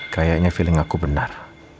kayaknya feeling aku benar